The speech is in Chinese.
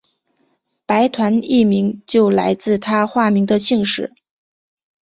白团一名就来自他化名的姓氏。